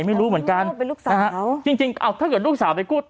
ไม่หรือเหมือนกันจริงเอ้าถ้าเกิดลูกสาวไปกู้